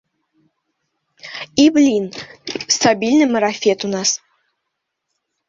І, блін, стабільны марафет у нас.